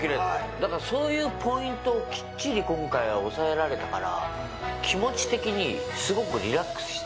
だから、そういうポイントをきっちり今回は押さえられたから、気持ち的にすごくリラックスした。